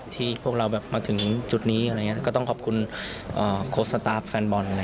ที่พวกเรามาถึงจุดนี้ก็ต้องขอบคุณโค้ชสตาร์ฟแฟนบอล